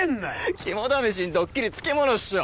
肝試しにドッキリ付き物っしょ？